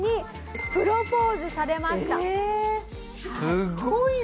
すごいね！